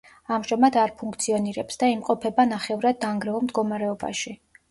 ამჟამად არ ფუნქციონირებს და იმყოფება ნახევრად დანგრეულ მდგომარეობაში.